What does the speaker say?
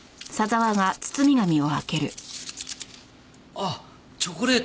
あっチョコレート！